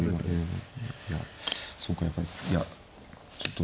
いやそうかやっぱりいやちょっと。